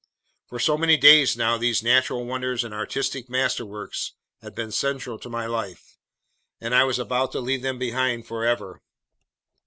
For so many days now, these natural wonders and artistic masterworks had been central to my life, and I was about to leave them behind forever.